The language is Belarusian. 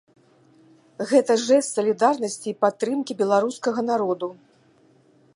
Гэта жэст салідарнасці і падтрымкі беларускага народу.